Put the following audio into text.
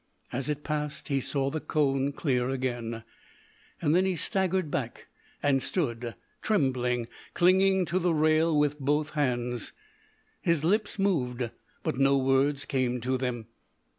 As it passed, he saw the cone clear again. Then he staggered back, and stood trembling, clinging to the rail with both hands. His lips moved, but no words came to them.